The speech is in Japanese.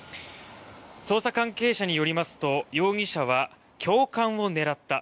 捜査関係者によりますと容疑者は教官を狙った。